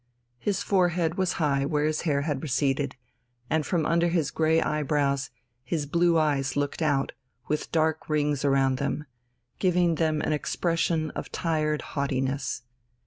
His forehead was high where his hair had receded, and from under his grey eyebrows, his blue eyes looked out, with dark rings round them, giving them an expression of tired haughtiness.